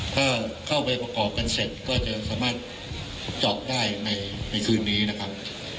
ถ้าเข้าไปประกอบกันเสร็จก็จะสามารถเจาะได้ในคืนนี้นะครับ